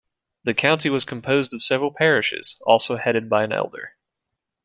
The county was composed of several parishes, also headed by an elder.